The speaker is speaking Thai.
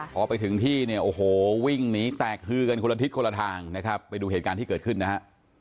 พอไปถึงที่เนี่ยโอ้โหวิ่งหนีแตกฮือกันคนละทิศคนละทางนะครับไปดูเหตุการณ์ที่เกิดขึ้นนะฮะ